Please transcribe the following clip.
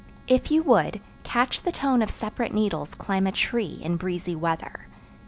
If you would catch the tone of separate needles climb a tree in breezy weather.